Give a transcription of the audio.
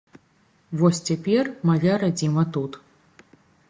Вось цяпер мая радзіма тут.